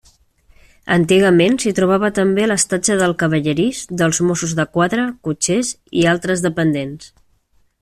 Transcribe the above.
Antigament s'hi trobava també l'estatge del cavallerís, dels mossos de quadra, cotxers i altres dependents.